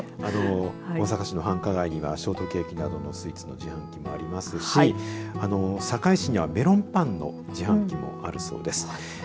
大阪市の繁華街にはショートケーキなどのスイーツの自販機もありますし堺市にはメロンパンの自販機もあるそうです。